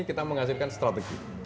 kita menghasilkan strategi